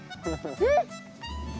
えっ。